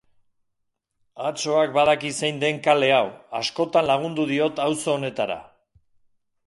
Atsoak badaki zein den kale hau, askotan lagundu diot auzo honetara.